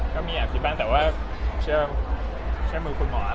ก็มีอภิพันธ์แต่ว่าเชื่อมือคุณหมอแหละ